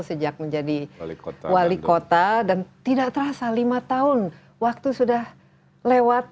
sejak menjadi wali kota dan tidak terasa lima tahun waktu sudah lewat